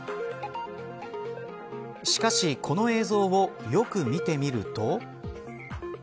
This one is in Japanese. しかしこの映像をよく見てみると。